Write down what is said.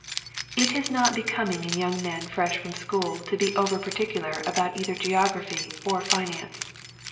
It is not becoming in young men fresh from school to be over particular about either geography or finance.